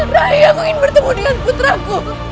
rai aku ingin bertemu dengan putraku